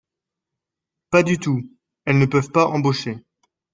Pas du tout, elles ne peuvent pas embaucher